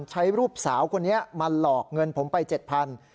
ใช้รูปสาวคนนี้มาหลอกเงินผมไป๗๐๐บาท